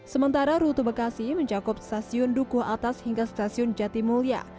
sementara rute bekasi mencakup stasiun dukualtas hingga stasiun jatimulya